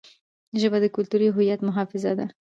ژبه د کلتوري هویت محافظه ده.